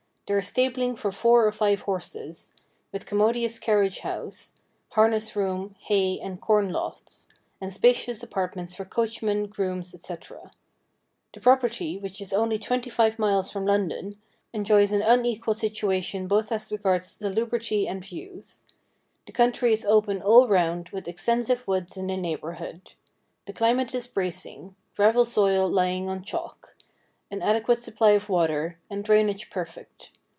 There is stabling for four or five horses, with commo dious carriage house, harness room, hay and corn lofts, and spacious apartments for coachmen, grooms, <fec. The property, which is only twenty five miles from London, enjoys an unequalled situation both as regards salubrity and views. The country is open all round, with extensive woods in the neighbourhood. The climate is bracing ; gravel soil lying on chalk, an adequate supply of water, and drainage perfect.